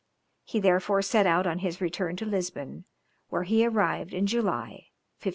He therefore set out on his return to Lisbon, where he arrived in July, 1504.